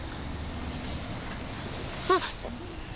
あっ。